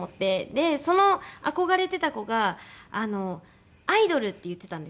でその憧れてた子が「アイドル」って言ってたんですよ。